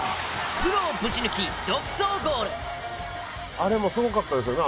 あれもすごかったですよね